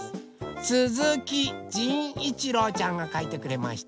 すずきじんいちろうちゃんがかいてくれました。